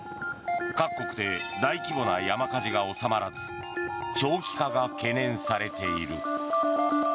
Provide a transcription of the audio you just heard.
各国で大規模な山火事が収まらず長期化が懸念されている。